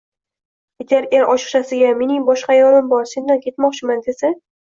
Agar er ochiqchasiga: “Mening boshqa ayolim bor, sendan ketmoqchiman”, desa